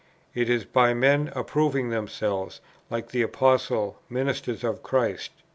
It is by men 'approving themselves,' like the Apostle, 'ministers of Christ.'